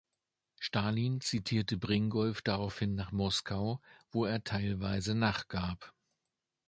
Stalin zitierte Bringolf daraufhin nach Moskau, wo er teilweise nachgab.